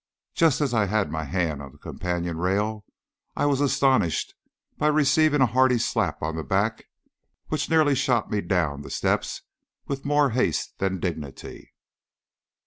Just as I had my hand on the companion rail, I was astonished by receiving a hearty slap on the back, which nearly shot me down the steps with more haste than dignity.